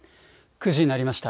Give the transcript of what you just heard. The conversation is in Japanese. ９時になりました。